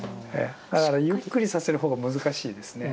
だからゆっくりさせる方が難しいですね。